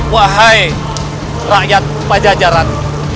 wahai rakyat pajajarat